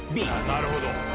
なるほど！